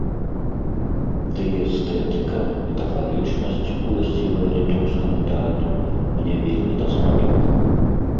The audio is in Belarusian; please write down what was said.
Дый эстэтыка, метафарычнасць, уласцівая літоўскаму тэатру, мне вельмі даспадобы.